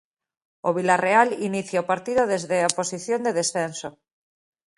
O Vilarreal inicia o partido desde a posición de descenso.